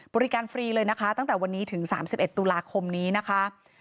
ฟรีเลยนะคะตั้งแต่วันนี้ถึง๓๑ตุลาคมนี้นะคะ